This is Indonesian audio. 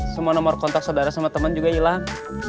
semua nomor kontak saudara sama teman juga hilang